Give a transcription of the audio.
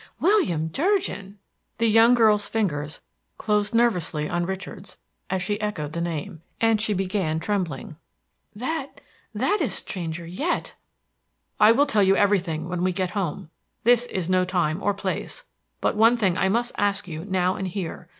"William Durgin!" The young girl's fingers closed nervously on Richard's as she echoed the name, and she began trembling. "That that is stranger yet!" "I will tell you everything when we get home; this is no time or place; but one thing I must ask you now and here.